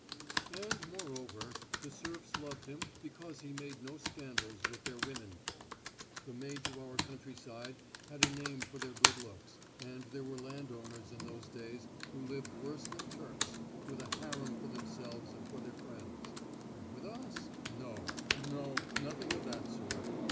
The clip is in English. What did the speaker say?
And, moreover, the serfs loved him because he made no scandals with their women folk. The maids of our countryside had a name for their good looks, and there were landowners in those days who lived worse than Turks, with a harem for themselves and for their friends. But with us, no no, nothing of that sort.